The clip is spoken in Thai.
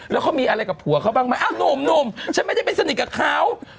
แล้วเขามีอะไรกับชั้นไม่ได้ไปสนิทกับเขา